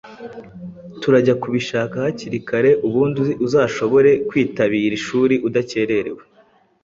Turajya kubishaka hakiri kare ubundi uzashobore kwitabira ishuri udakererewe.